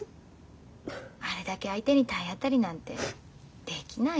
あれだけ相手に体当たりなんてできないよ。